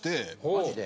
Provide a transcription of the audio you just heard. マジで？